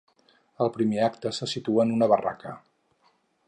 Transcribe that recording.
El primer acte se situa en una barraca.